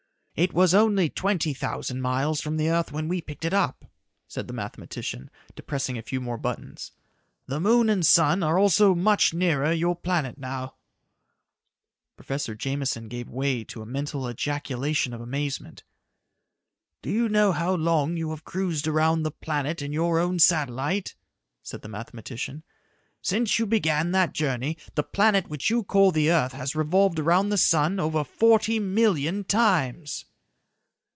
"It was only twenty thousand miles from the earth when we picked it up," said the mathematician, depressing a few more buttons. "The moon and sun are also much nearer your planet now." Professor Jameson gave way to a mental ejaculation of amazement. "Do you know how long you have cruised around the planet in your own satellite?" said the mathematician. "Since you began that journey, the planet which you call the earth has revolved around the sun over forty million times."